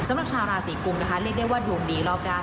สำหรับชาวราศีกุมนะคะเรียกได้ว่าดวงดีรอบด้าน